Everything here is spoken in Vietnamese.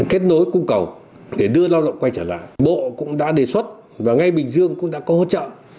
kết nối cung cầu để đưa lao động quay trở lại bộ cũng đã đề xuất và ngay bình dương cũng đã có hỗ trợ